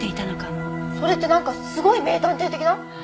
それってなんかすごい名探偵的な？